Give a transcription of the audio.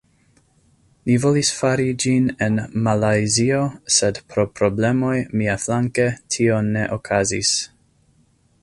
Ni volis fari ĝin en Malajzio sed pro problemoj miaflanke, tio ne okazis